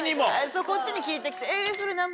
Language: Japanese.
そうこっちに聞いてきて。